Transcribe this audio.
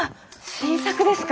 新作ですか？